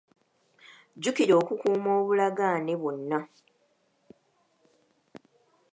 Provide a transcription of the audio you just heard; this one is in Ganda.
Jjukira okukuuma obulagaane bwonna.